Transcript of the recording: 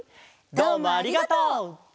どうもありがとう！